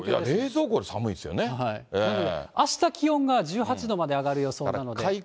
なので、あした気温が１８度まで上がる予想なので。